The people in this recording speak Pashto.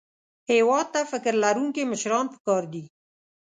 هېواد ته فکر لرونکي مشران پکار دي